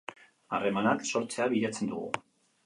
Harremanak sortzea bilatzen dugu